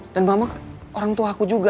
dan mama orangtuaku juga